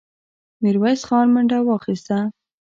ميرويس خان منډه واخيسته.